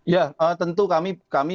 ya tentu kami